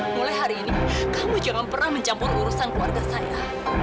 mulai hari ini kamu jangan pernah mencampur urusan keluarga saya